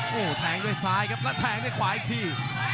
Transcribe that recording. โอ้โหแทงด้วยซ้ายครับแล้วแทงด้วยขวาอีกที